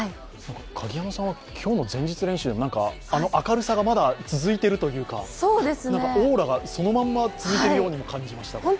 鍵山さんは今日の前日練習、あの明るさがまだ続いているというかオーラがそのまま続いているようにも感じました。